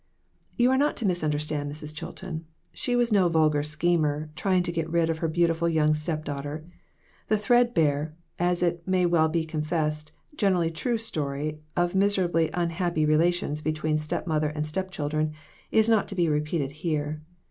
You are not to misunderstand Mrs. Chilton ; she was no vulgar schemer, trying to get rid of her beautiful young step daughter. The threadbare, and it may as well be confessed, generally too true, story of miserably unhappy relations between step mother and step children, is not to be repeated here.